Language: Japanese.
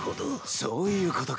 そういうことか。